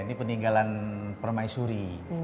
ini peninggalan permaisuri